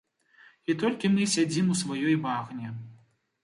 І толькі мы сядзім у сваёй багне.